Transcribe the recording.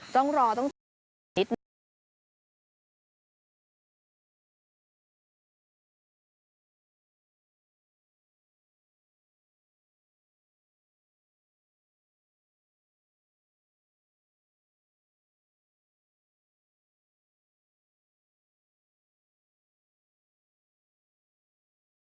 สวัสดีครับ